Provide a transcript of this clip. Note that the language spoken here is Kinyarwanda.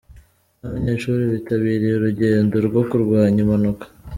N’abanyeshuri bitabiriye urugendo rwo kurwanya impanuka.